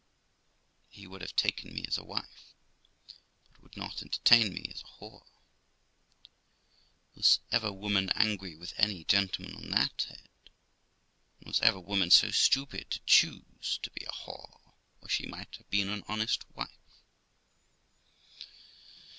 He would have taken me as a wife, but would not entertain me as a whore. Was ever woman angry with any gentleman on that head? And was ever woman so stupid to choose to be a whore, where she might have been an honest wife?